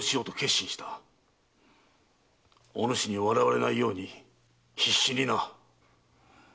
おぬしに笑われないように必死にな。